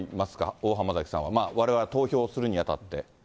大濱崎さんは、われわれ、投票するにあたって。